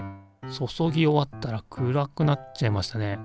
注ぎ終わったら暗くなっちゃいましたね。